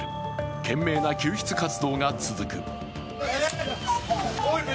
懸命な救出活動が続く。